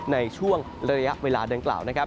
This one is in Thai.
ในช่วงระยะเวลาดังกล่าวนะครับ